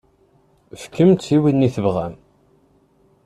Fkemt-t i win i tebɣamt.